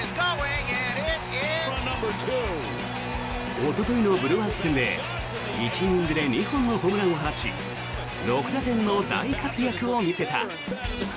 おとといのブルワーズ戦で１イニングで２本のホームランを放ち６打点の大活躍を見せた。